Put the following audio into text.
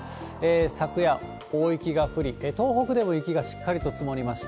昨夜、大雪が降り、東北でも雪がしっかりと積もりました。